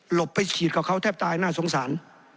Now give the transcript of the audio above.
ไปฉีดกับเขาแทบตายน่าสงสาร